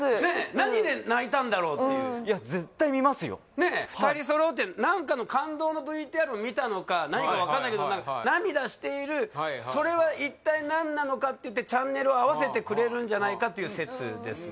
何で泣いたんだろうっていうねえ２人揃って何かの感動のＶＴＲを見たのか何か分かんないけど涙しているそれは一体何なのかっていってチャンネルを合わせてくれるんじゃないかっていう説ですね